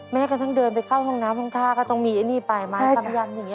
แม้กระทั่งเดินไปเข้าห้องน้ำห้องท่าก็ต้องมีไอ้นี่ไปไม้กำยันอย่างนี้